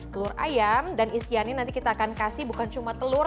telur ayam dan isiannya nanti kita akan kasih bukan cuma telur